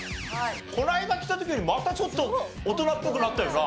この間来た時よりまたちょっと大人っぽくなったよな。